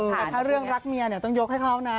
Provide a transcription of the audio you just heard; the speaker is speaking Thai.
แต่ถ้าเรื่องรักเมียต้องยกให้เขานะ